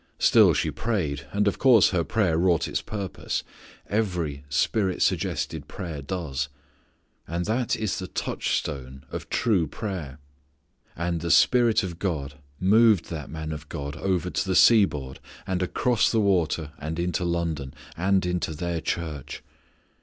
Still she prayed. And of course her prayer wrought its purpose. Every Spirit suggested prayer does. And that is the touchstone of true prayer. And the Spirit of God moved that man of God over to the seaboard, and across the water and into London, and into their church.